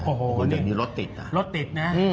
วันนี้รถติดนะ